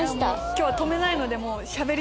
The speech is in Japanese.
今日は止めないので。